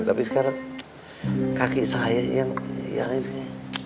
tapi sekarang kaki saya yang ini